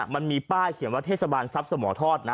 มันมีป้ายเขียนว่าเทศวาลซับสมท